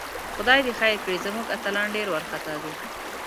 خدای دې خیر کړي، زموږ اتلان ډېر وارخطاء دي